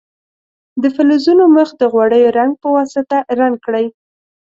د فلزونو مخ د غوړیو رنګ په واسطه رنګ کړئ.